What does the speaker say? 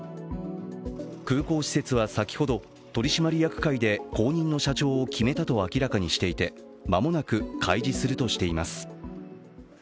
空港施設は先ほど、取締役会で後任の社長を決めたと明らかにしていて間もなく開示するとしています。